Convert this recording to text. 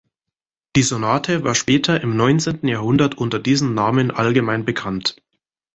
Die Sonate war später im neunzehnten Jahrhundert unter diesem Namen allgemein bekannt.